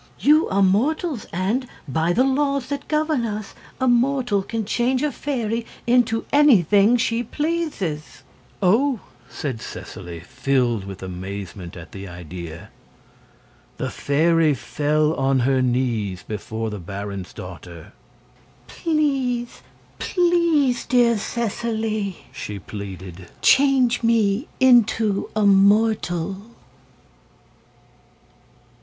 "You are mortals, and, by the laws that govern us, a mortal can change a fairy into anything she pleases." "Oh!" said Seseley, filled with amazement at the idea. The fairy fell on her knees before the baron's daughter. "Please please, dear Seseley," she pleaded, "change me into a mortal!"